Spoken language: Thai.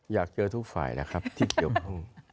อยากเจอทุกฝ่ายแหละครับที่เกี่ยวข้อง